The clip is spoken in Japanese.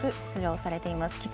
出場されています。